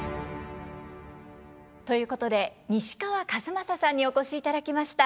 ということで西川千雅さんにお越しいただきました。